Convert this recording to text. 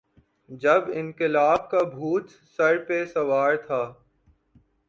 جب انقلاب کا بھوت سر پہ سوار تھا۔